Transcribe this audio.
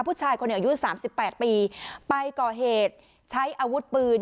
ผู้ชายคนอายุ๓๘ปีไปก่อเหตุใช้อาวุธปืน